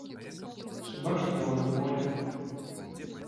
Хіба што ў гандболе.